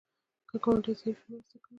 که ګاونډی ضعیف وي، مرسته کوه